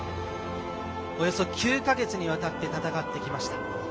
およそ９か月にわたって戦ってきました。